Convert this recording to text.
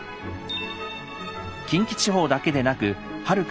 近畿地方だけでなくはるか